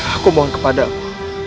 aku mohon kepadamu